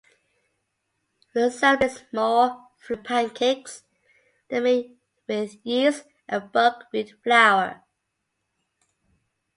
Resembling small, fluffy pancakes, they are made with yeast and buckwheat flour.